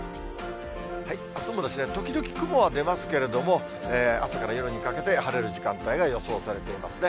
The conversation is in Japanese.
あすも時々雲は出ますけれども、朝から夜にかけて、晴れる時間帯が予想されていますね。